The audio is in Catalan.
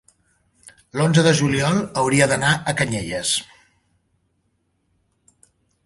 l'onze de juliol hauria d'anar a Canyelles.